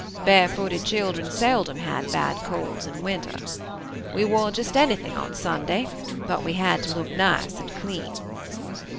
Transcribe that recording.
Barefooted children seldom had bad colds in winter. We wore just anything on Sunday, but we had to look nice and clean.